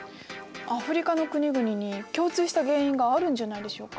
アフリカの国々に共通した原因があるんじゃないでしょうか？